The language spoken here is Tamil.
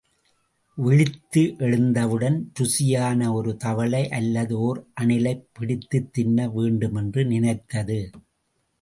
விழித்து எழுந்தவுடன், ருசியான ஒரு தவளை அல்லது ஒர் அணிலைப் பிடித்துத் தின்ன வேண்டுமென்று நினைத்தது.